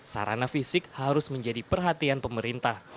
sarana fisik harus menjadi perhatian pemerintah